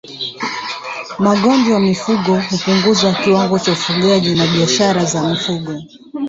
Magonjwa ya mifugo hupunguza kiwango cha ufugaji na biashara za mifugo